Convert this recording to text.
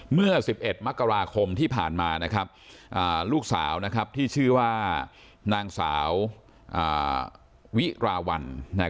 เมื่อ๑๑มกราคมที่ผ่านมาลูกสาวที่ชื่อว่านางสาววิราวัล